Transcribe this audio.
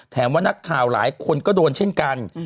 ว่านักข่าวหลายคนก็โดนเช่นกัน